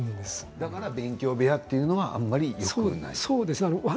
だから勉強部屋はあまりよくない。